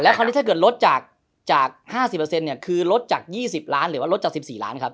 แล้วถ้าลดจาก๕๐คือลดจาก๒๔ล้านหรือ๒๔ล้านครับ